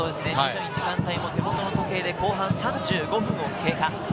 時間帯も手元の時計で後半３５分を経過。